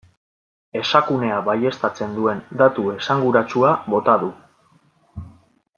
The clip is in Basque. Esakunea baieztatzen duen datu esanguratsua bota du.